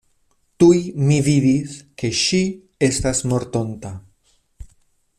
Tuj mi vidis, ke ŝi estas mortonta.